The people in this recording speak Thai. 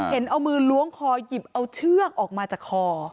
เห็นเอามือล้วงคอหยิบเอาเชือกออกมาจากคอ